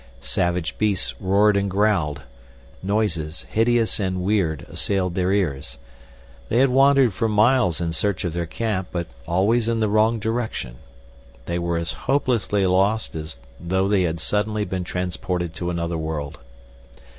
Savage beasts roared and growled; noises, hideous and weird, assailed their ears. They had wandered for miles in search of their camp, but always in the wrong direction. They were as hopelessly lost as though they suddenly had been transported to another world.